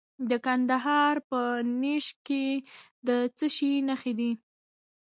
د کندهار په نیش کې د څه شي نښې دي؟